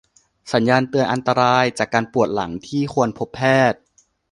สัญญาณเตือนอันตรายจากการปวดหลังที่ควรพบแพทย์